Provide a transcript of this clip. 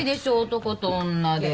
男と女で。